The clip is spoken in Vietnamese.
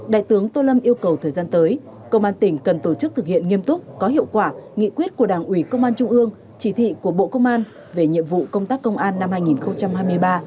đại tướng tô lâm yêu cầu thời gian tới công an tỉnh cần tổ chức thực hiện nghiêm túc có hiệu quả nghị quyết của đảng ủy công an trung ương chỉ thị của bộ công an về nhiệm vụ công tác công an năm hai nghìn hai mươi ba